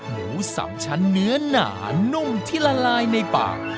หมูสามชั้นเนื้อหนานุ่มที่ละลายในปาก